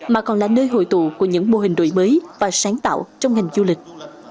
mà còn là nơi hội tụ của những mô hình đổi mới và sáng tạo trong ngành du lịch